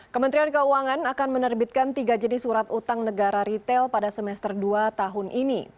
kementerian keuangan akan menerbitkan tiga jenis surat utang negara retail pada semester dua tahun ini